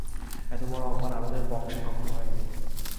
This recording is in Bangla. এত বড়ো অপমান আমাদের বংশে কখনো হয় নাই।